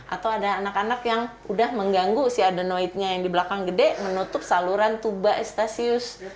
atau ada anak anak yang udah mengganggu si adenoidnya yang di belakang gede menutup saluran tuba stasiun